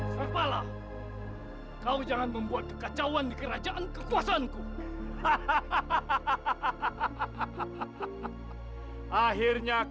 sampai jumpa di video selanjutnya